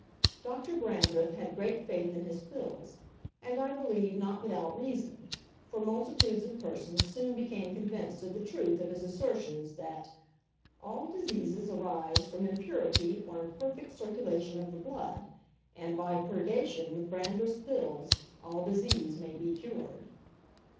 Dr. Brandreth had great faith in his pills, and I believe not without reason; for multitudes of persons soon became convinced of the truth of his assertions, that "all diseases arise from impurity or imperfect circulation of the blood, and by purgation with Brandreth's Pills all disease may be cured."